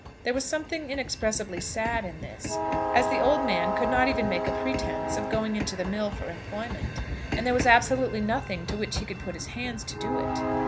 There was something inexpressibly sad in this, as the old man could not even make a pretence of going into the mill for employment, and there was absolutely nothing to which he could put his hands, to do it.